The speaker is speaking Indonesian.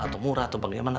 atau murah atau bagaimana